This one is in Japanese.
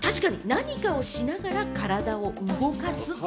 何かをしながら体を動かす。